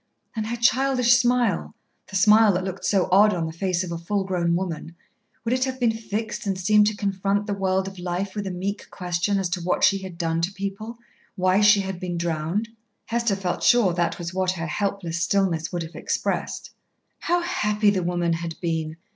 And her childish smile, the smile that looked so odd on the face of a full grown woman, would it have been fixed and seemed to confront the world of life with a meek question as to what she had done to people why she had been drowned? Hester felt sure that was what her helpless stillness would have expressed. How happy the woman had been!